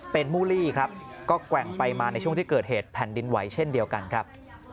เป็นมูลลี่ครับก็แกว่งไปมาในช่วงที่เกิดเหตุแผ่นดินไหวเช่นเดียวกันครับ